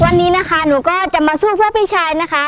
วันนี้นะคะหนูก็มาช่วยพี่ชายนะคะ